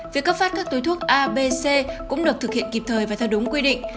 việc cấp phát các túi thuốc a b c cũng được thực hiện kịp thời và theo đúng quy định